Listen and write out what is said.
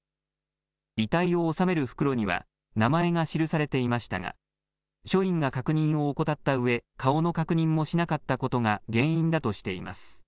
遺体を納める袋には名前が記されていましたが署員が確認を怠ったうえ顔の確認もしなかったことが原因だとしています。